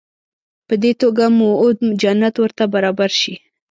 په دې توګه موعود جنت ورته برابر شي.